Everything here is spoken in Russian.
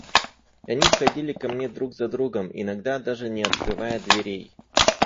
Они входили ко мне друг за другом, иногда даже не открывая дверей.